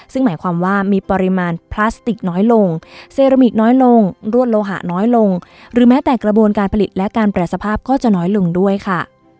ซึ่งหมายความว่ามีปริมาณพลาสติกน้อยลงเซรามิกน้อยลงรวดโลหะน้อยลงหรือแม้แต่กระบวนการผลิตและการแปรสภาพก็จะน้อยลงด้วยค่ะ